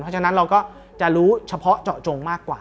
เพราะฉะนั้นเราก็จะรู้เฉพาะเจาะจงมากกว่า